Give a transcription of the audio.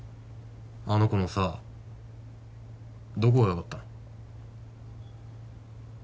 あの子のさどこがよかったの？